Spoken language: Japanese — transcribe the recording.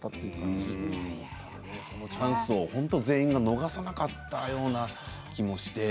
全員がチャンスを逃さなかったような気もして。